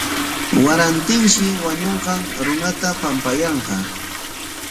Warantinshi wañunqan runata pampayanqa.